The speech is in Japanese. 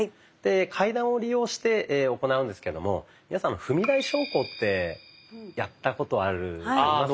階段を利用して行うんですけども皆さん踏み台昇降ってやったことありますかね？